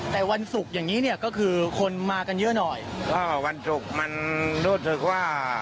แต่วันศุกร์อย่างนี้เนี่ยก็คือคนมากันเยอะหน่อยก็วันศุกร์มันรู้สึกว่า